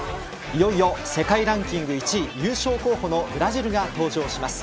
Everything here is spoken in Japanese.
いよいよ世界ランキング１位優勝候補のブラジルが登場します。